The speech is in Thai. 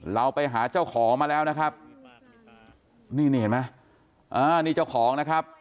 เราไปหาเจ้าของมาแล้วนะครับนี่นี่เห็นไหมอ่านี่เจ้าของนะครับ